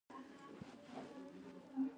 زه د علم حاصلول عبادت ګڼم.